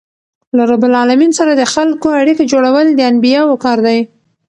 له رب العالمین سره د خلکو اړیکه جوړول د انبياوو کار دئ.